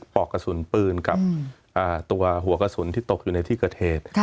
ปอกกระสุนปืนกับตัวหัวกระสุนที่ตกอยู่ในที่เกิดเหตุ